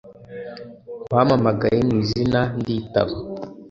wampamagaye mu izina nditaba